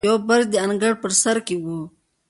یو برج یې د انګړ په بر سر کې و.